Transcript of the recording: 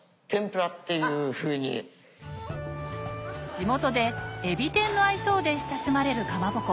地元で「えび天」の愛称で親しまれるかまぼこ